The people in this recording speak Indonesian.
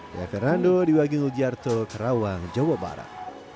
saya fernando di waging lujarto kerawang jawa barat